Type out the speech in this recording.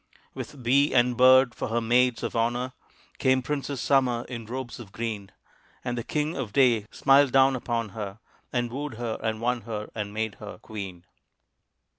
With bee and bird for her maids of honor Came Princess Summer in robes of green. And the King of day smiled down upon her And wooed her, and won her, and made her queen.